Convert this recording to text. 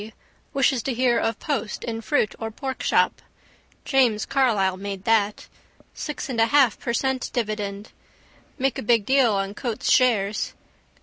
wishes to hear of post in fruit or pork shop. James Carlisle made that. Six and a half per cent dividend. Made a big deal on Coates's shares.